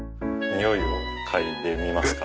においを嗅いでみますか？